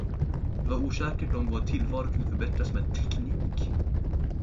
Det var osäkert om vår tillvaro kunde förbättras med teknik.